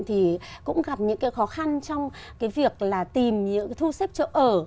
thì cũng gặp những khó khăn trong việc tìm những thu xếp chỗ ở